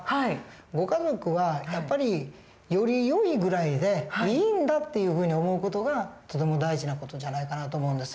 ご家族はやっぱりよりよいぐらいでいいんだっていうふうに思う事がとても大事な事じゃないかなと思うんです。